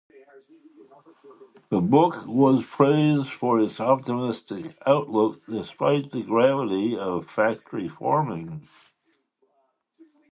The book was praised for its optimistic outlook despite the gravity of factory farming.